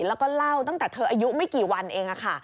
แล้วก็เล่าตั้งแต่เธออายุไม่กี่วันเองค่ะ